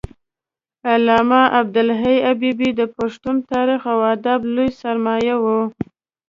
علامه عبدالحی حبیبي د پښتون تاریخ او ادب لوی سرمایه و